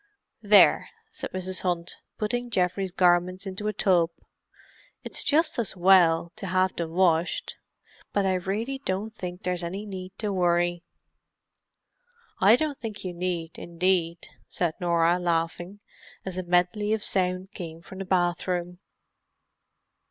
"There!" said Mrs. Hunt, putting Geoffrey's garments into a tub. "It's just as well to have them washed, but I really don't think there's any need to worry." "I don't think you need, indeed!" said Norah, laughing, as a medley of sound came from the bathroom.